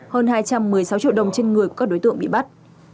hơn hai trăm một mươi sáu triệu đồng trên người của các đối tượng bị bắt